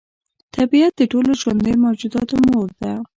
طبیعت د ټولو ژوندیو موجوداتو مور ده.